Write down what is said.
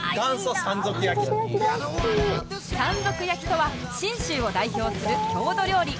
山賊焼とは信州を代表する郷土料理